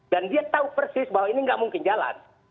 dan dia tahu persis bahwa ini nggak mungkin jalan